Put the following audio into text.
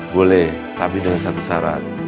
boleh tapi dengan satu syarat